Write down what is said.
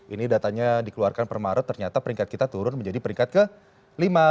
ini datanya dikeluarkan per maret ternyata peringkat kita turun menjadi peringkat ke lima